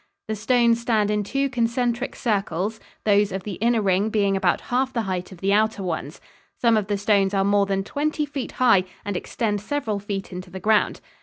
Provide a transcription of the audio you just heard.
The stones stand in two concentric circles, those of the inner ring being about half the height of the outer ones. Some of the stones are more than twenty feet high and extend several feet into the ground.